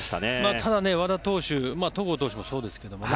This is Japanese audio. ただ、和田投手戸郷投手もそうですけどね